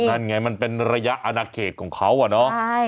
นั่นไงมันเป็นระยะอนาเขตของเขาอะเนาะ